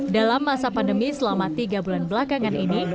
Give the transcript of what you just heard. dalam masa pandemi selama tiga bulan belakangan ini